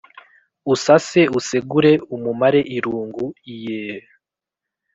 Usase usegure umumare irungu iyeee